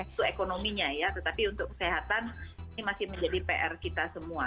itu ekonominya ya tetapi untuk kesehatan ini masih menjadi pr kita semua